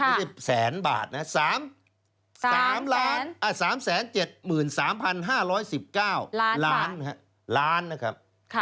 ไม่ใช่แสนบาทนะ๓๗๓๕๑๙ล้านล้านนะครับ